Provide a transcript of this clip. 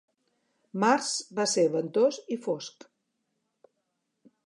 Març va ser ventós i fosc.